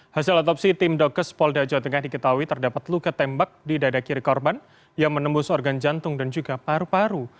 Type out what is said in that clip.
hasil otopsi tim dokes polda jawa tengah diketahui terdapat luka tembak di dada kiri korban yang menembus organ jantung dan juga paru paru